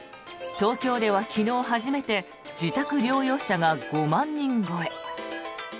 東京では昨日初めて自宅療養者が５万人超え。